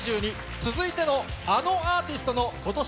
続いてのあのアーティストのことし